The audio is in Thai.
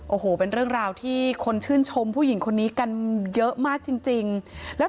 โอ้โหเป็นเรื่องราวที่คนชื่นชมผู้หญิงคนนี้กันเยอะมากจริงจริงแล้ว